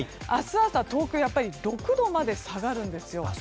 明日朝東京は６度まで下がります。